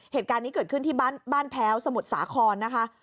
เหตุการณ์นี้เกิดขึ้นที่บ้านแพ้วสมุทรสาครนะคะ